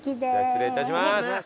失礼いたします。